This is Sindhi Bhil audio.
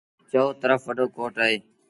چئو ترڦ وڏو ڪوٽ اهي۔